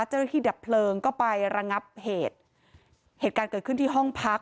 ดับเพลิงก็ไประงับเหตุเหตุการณ์เกิดขึ้นที่ห้องพัก